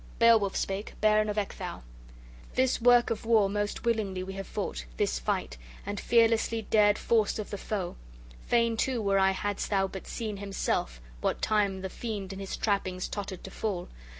Beowulf spake, bairn of Ecgtheow: "This work of war most willingly we have fought, this fight, and fearlessly dared force of the foe. Fain, too, were I hadst thou but seen himself, what time the fiend in his trappings tottered to fall!